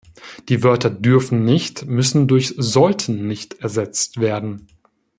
Die Wörter "dürfen nicht" müssen durch "sollten nicht" ersetzt werden.